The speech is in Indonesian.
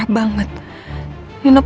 aku yang dengan bgt